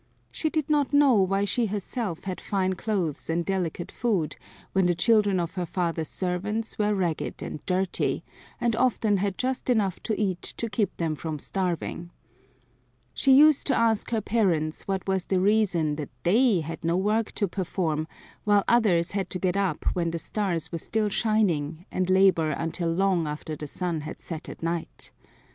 She did not know why she herself had fine clothes and delicate food, when the children of her father's servants were ragged and dirty, and often had just enough to eat to keep them from starving. She used to ask her parents what was the reason that they had no work to perform, while others had to get up when the stars were still shining and labor until long after the sun had set at night.